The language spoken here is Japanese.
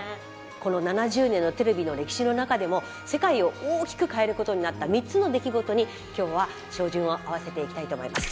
この７０年のテレビの歴史の中でも世界を大きく変えることになった３つの出来事に今日は照準を合わせていきたいと思います。